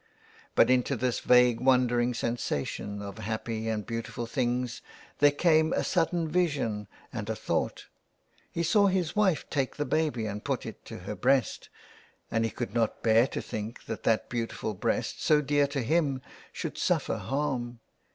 But into this vague wandering sensation of happy and beautiful things there came a sudden vision and a thought, He saw his wife take the baby and put it to her breast and he could not bear to think that that beautiful breast, so dear to him, should suffer harm.